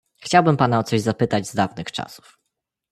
"Chciałbym pana o coś zapytać z dawnych czasów."